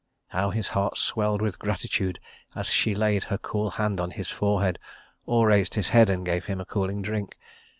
How his heart swelled with gratitude as she laid her cool hand on his forehead, or raised his head and gave him a cooling drink.